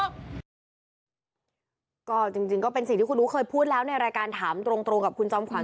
ก็จริงก็เป็นสิ่งที่คุณอู๋เคยพูดแล้วในรายการถามตรงกับคุณจอมขวั